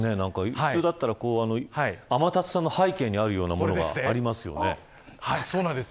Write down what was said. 普通だったら天達さんの背景にあるようなのがありますそうなんです。